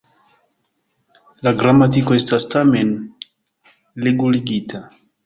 La gramatiko estas tamen reguligita.